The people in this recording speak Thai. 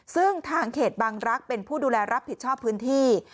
ซึ่งทางเขตบังรักษ์เป็นผู้ดูแลรับผิดชอบพื้นที่